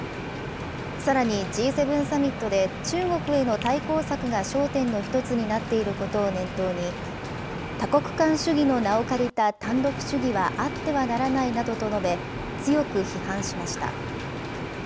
さらに、Ｇ７サミットで中国への対抗策が焦点の一つになっていることを念頭に、多国間主義の名を借りた単独主義はあってはならないなどと述べ、強く批判しました。